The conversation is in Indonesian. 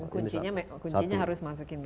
dan kuncinya harus masukin industri